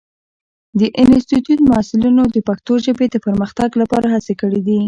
د انسټیټوت محصلینو د پښتو ژبې د پرمختګ لپاره هڅې کړې دي.